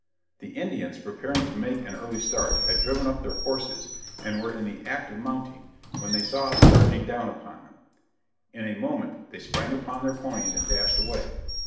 The Indians, preparing to make an early start, had driven up their horses and were in the act of mounting, when they saw us charging down upon them. In a moment they sprang upon their ponies and dashed away.